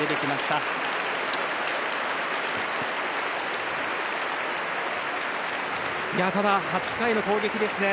ただ、８回の攻撃ですね。